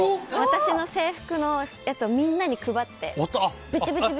私の制服のやつをみんなに配って。